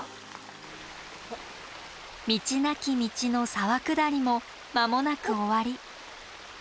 道なき道の沢下りも間もなく終わり。